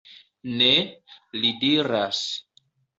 Ne, li diras.